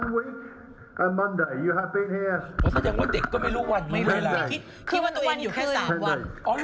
สะทางว่าเด็กก็ไม่รู้วันไม่มีคิดคือวันตัวเองอยู่แค่สามวัน